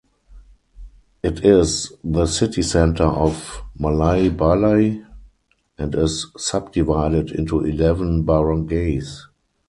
It is the city center of Malaybalay and is subdivided into eleven barangays.